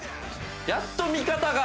やっと味方が。